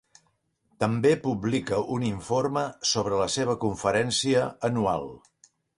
També publica un informe sobre la seva conferència anual.